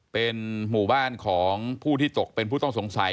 เป็นหมู่บ้านของผู้ที่ตกเป็นผู้ต้องสงสัย